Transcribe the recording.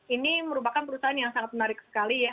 ini merupakan perusahaan yang sangat menarik sekali ya